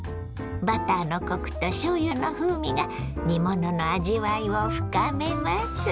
バターのコクとしょうゆの風味が煮物の味わいを深めます。